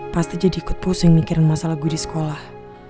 pasti jadi ikut pusing mikirin masalah gue di sekolah